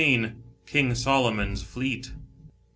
KING SOLOMON'S FLEET.